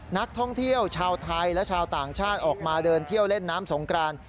นักท่องเที่ยวชาวไทยและชาวต่างชาติออกมาเดินเที่ยวเล่นน้ำสงกราน